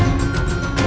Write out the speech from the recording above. dan buat dia jatuh